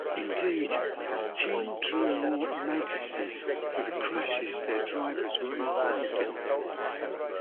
Indeed, the team drew more notices for the crashes their drivers were involved in.